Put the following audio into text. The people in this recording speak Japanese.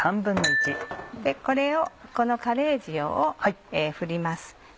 このカレー塩を振ります。